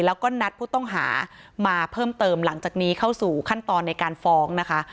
แล้วก็นัดผู้ต้องหามาเพิ่มเติมหลังจากนี้เข้าสู่ขั้นตอนในการฟ้องนะคะ